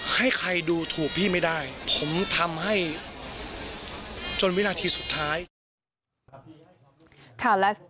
ให้ใครดูถูกพี่ไม่ได้ผมทำให้จนวินาทีสุดท้าย